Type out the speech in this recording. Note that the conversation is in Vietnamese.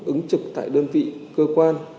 ứng trực tại đơn vị cơ quan